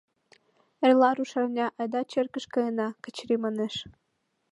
— Эрла рушарня, айда черкыш каена, — Качыри манеш.